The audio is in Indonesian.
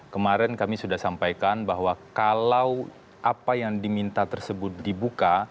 kemarin kami sudah sampaikan bahwa kalau apa yang diminta tersebut dibuka